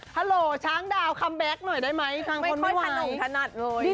ฮัลโหลช้างดาวคัมแบ็คหน่อยได้ไหมทางคนไม่ไหวไม่ค่อยขนมถนัดเลย